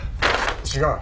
違う。